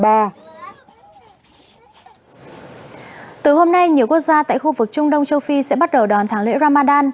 từ hôm nay nhiều quốc gia tại khu vực trung đông châu phi sẽ bắt đầu đoàn tháng lễ ramadan